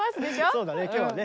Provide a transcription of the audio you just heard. そうだね今日はね！